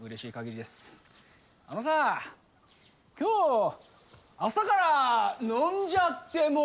あのさあ今日朝から飲んじゃっても？